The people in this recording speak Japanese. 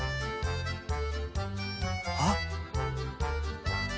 あっ。